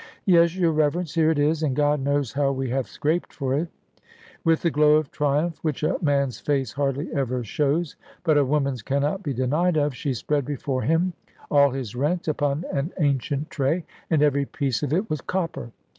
"Yes, your Reverence, here it is. And God knows how we have scraped for it." With the glow of triumph which a man's face hardly ever shows, but a woman's cannot be denied of, she spread before him all his rent upon an ancient tray, and every piece of it was copper.